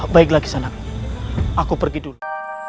baiklah kisanak aku pergi dulu